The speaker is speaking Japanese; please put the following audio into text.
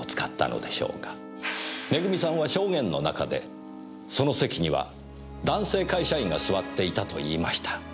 恵さんは証言の中でその席には男性会社員が座っていたと言いました。